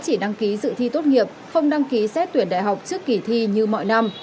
chỉ đăng ký dự thi tốt nghiệp không đăng ký xét tuyển đại học trước kỳ thi như mọi năm